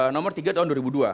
nomor tiga tahun dua ribu dua